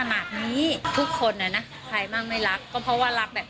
นะคะแล้วเราก็มองว่าโอเคอยู่ที่นั่นมันปลอดภัยเพราะเขารับปาก